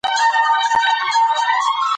د هغې سترګې کوچنۍ او غنم رنګه وه.